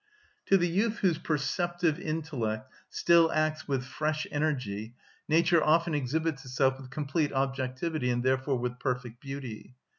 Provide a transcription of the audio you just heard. To the youth whose perceptive intellect still acts with fresh energy nature often exhibits itself with complete objectivity, and therefore with perfect beauty.